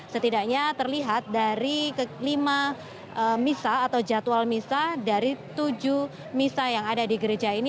setidaknya terlihat dari lima misa atau jadwal misa dari tujuh misa yang ada di gereja ini